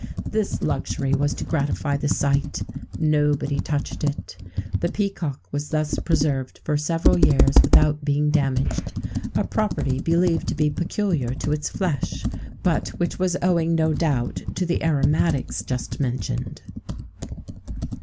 This luxury was to gratify the sight: nobody touched it. The peacock was thus preserved for several years without being damaged a property believed to be peculiar to its flesh,[XVII 131] but which was owing, no doubt, to the aromatics just mentioned.